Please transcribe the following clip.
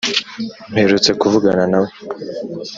mperutse kuvugana nawe